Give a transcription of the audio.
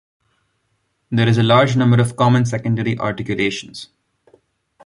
There is a large number of common secondary articulations.